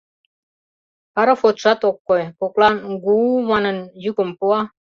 Пароходшат ок кой, коклан, у-гу-у манын, йӱкым пуа.